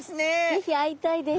是非会いたいです！